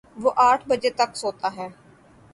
وہ آٹھ بجے تک سوتا ہے